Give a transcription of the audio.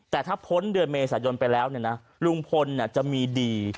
แต่ถ้าพ้นเดือนเมษายนไปแล้วลุงพลจะมีดี